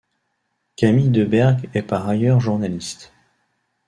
Camille Deberghe est par ailleurs journaliste.